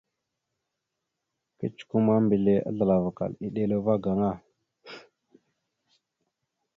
Kecəkwe ma, mbelle azləlavakal eɗela va gaŋa.